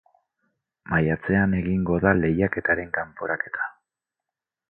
Maiatzean egingo da lehiaketaren kanporaketa.